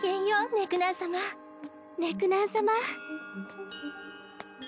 ネクナン様ネクナン様！